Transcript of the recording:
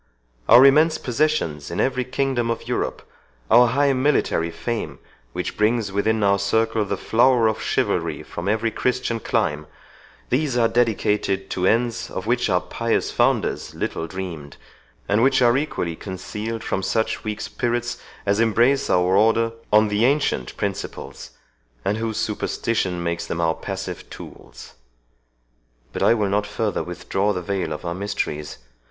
Our immense possessions in every kingdom of Europe, our high military fame, which brings within our circle the flower of chivalry from every Christian clime—these are dedicated to ends of which our pious founders little dreamed, and which are equally concealed from such weak spirits as embrace our Order on the ancient principles, and whose superstition makes them our passive tools. But I will not further withdraw the veil of our mysteries.